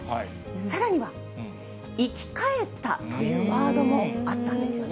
さらには、生き返ったというワードもあったんですよね。